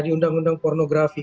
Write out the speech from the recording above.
di undang undang pornografi